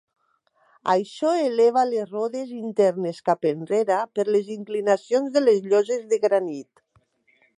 Això eleva les rodes internes cap enrere per les inclinacions de les lloses de granit.